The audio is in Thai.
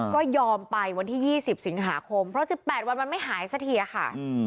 ก็ยอมไปวันที่๒๐สิงหาคมเพราะ๑๘วันมันไม่หายสักทีค่ะ